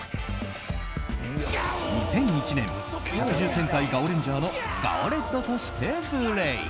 ２００１年「百獣戦隊ガオレンジャー」のガオレッドとしてブレーク。